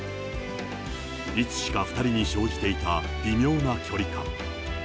いつしか２人に生じていた微妙な距離感。